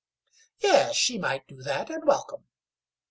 Yes! she might do that and welcome.